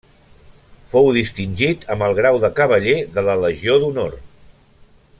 Fou distingit amb el grau de cavaller de la Legió d'Honor.